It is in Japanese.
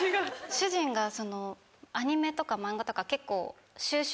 主人がアニメとか漫画とか結構。